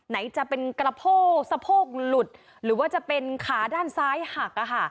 ไหนจะเป็นกระโพกสะโพกหลุดหรือว่าจะเป็นขาด้านซ้ายหัก